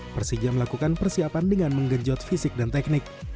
persija melakukan persiapan dengan menggenjot fisik dan teknik